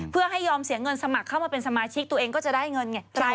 เพื่อให้ยอมเสียเงินสมัครเข้ามาเป็นสมาชิกตัวเองก็จะได้เงินไง